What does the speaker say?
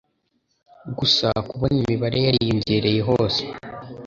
gusa kubona imibabaro yariyongereye hose